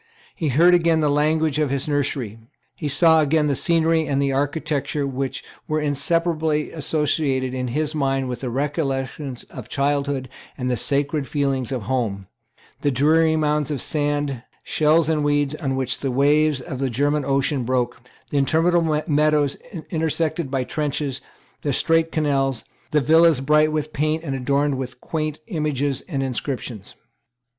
He heard again the language of his nursery. He saw again the scenery and the architecture which were inseparably associated in his mind with the recollections of childhood and the sacred feeling of home; the dreary mounds of sand, shells and weeds, on which the waves of the German Ocean broke; the interminable meadows intersected by trenches; the straight canals; the villas bright with paint and adorned with quaint images and inscriptions.